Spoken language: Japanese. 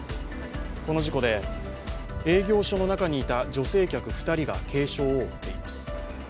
この事故で、営業所の中にいた女性客２人が軽傷を負っています。